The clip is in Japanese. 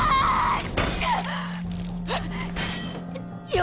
よ